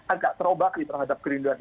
agak terobakli terhadap kerinduan itu